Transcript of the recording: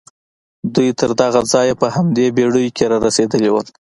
دوی تر دغه ځايه په همدې بېړيو کې را رسېدلي وو.